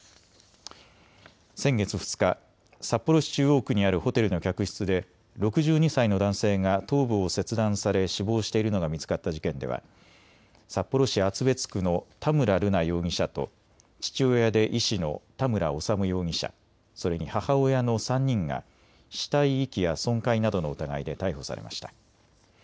先月２日、札幌市中央区にあるホテルの客室で６２歳の男性が頭部を切断され死亡しているのが見つかった事件では札幌市厚別区の田村瑠奈容疑者と父親で医師の田村修容疑者、それに母親の３人が死体遺棄や損壊などの疑いで逮捕されました。